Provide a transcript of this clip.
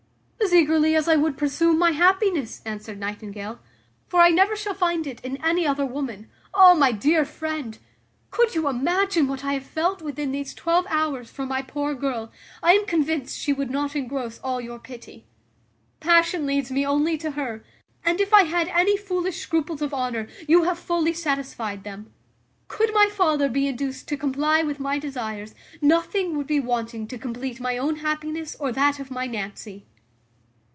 "As eagerly as I would pursue my happiness," answered Nightingale: "for I never shall find it in any other woman. O, my dear friend! could you imagine what I have felt within these twelve hours for my poor girl, I am convinced she would not engross all your pity. Passion leads me only to her; and, if I had any foolish scruples of honour, you have fully satisfied them: could my father be induced to comply with my desires, nothing would be wanting to compleat my own happiness or that of my Nancy."